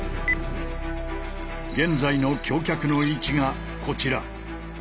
現在の橋脚の位置がこちら。